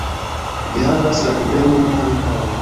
- Vi havas la problemon ankaŭ